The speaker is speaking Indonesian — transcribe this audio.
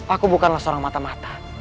aku bukanlah seorang mata mata